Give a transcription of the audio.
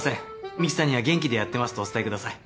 ミキさんには元気でやってますとお伝えください。